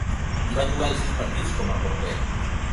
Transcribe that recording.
Hi va jugar els sis partits com a porter.